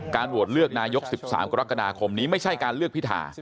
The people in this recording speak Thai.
โหวตเลือกนายก๑๓กรกฎาคมนี้ไม่ใช่การเลือกพิธา